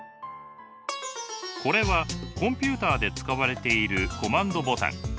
これはコンピューターで使われているコマンドボタン。